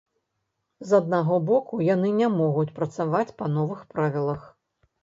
З аднаго боку, яны не могуць працаваць па новых правілах.